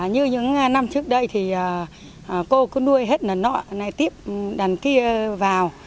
như những năm trước đây thì cô cứ nuôi hết nợ nọ tiếp đàn kia vào